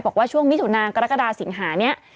บอกว่าช่วงมิถุนากรกฎาสิงหานี้